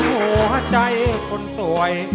หัวใจคนสวย